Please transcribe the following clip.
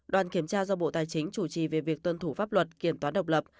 đoàn kiểm tra do bộ tài chính chủ trì về việc tuân thủ pháp luật kiểm toán độc lập